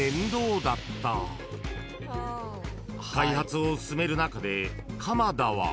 ［開発を進める中で鎌田は］